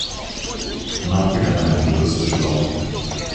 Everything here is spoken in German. Danach begann er eine juristische Laufbahn.